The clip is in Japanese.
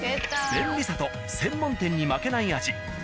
便利さと専門店に負けない味